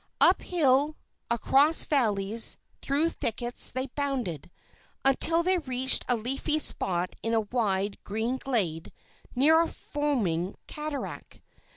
Up hill, across valleys, through thickets they bounded, until they reached a leafy spot in a wide, green glade near a foaming cataract.